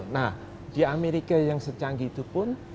nah di amerika yang secanggih itu pun